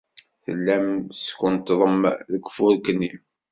Tellam teckunṭḍem deg ufurk-nni.